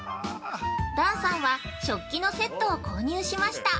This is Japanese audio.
檀さんは食器のセットを購入しました。